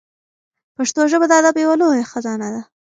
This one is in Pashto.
پښتو ژبه د ادب یوه لویه خزانه ده.